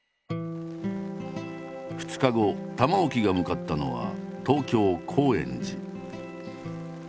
２日後玉置が向かったのは東京高円寺。